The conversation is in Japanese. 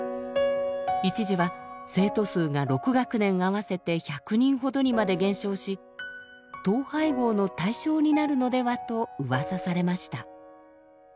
一時は生徒数が６学年合わせて１００人ほどにまで減少し統廃合の対象になるのではとうわさされました。